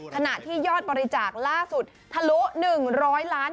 ขณะที่ยอดบริจาคล่าสุดทะลุ๑๐๐ล้าน